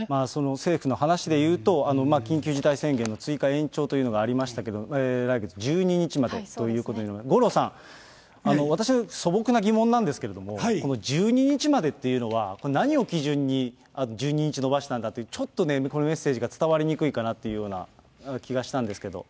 政府の話でいうと、緊急事態宣言の追加延長というのがありましたけれども、来月１２日までということで、五郎さん、私、素朴な疑問なんですけれども、この１２日までというのは、これ、何を基準に１２日延ばしたんだっていう、ちょっとね、このメッセージが伝わりにくいかなという気がしたんですけど。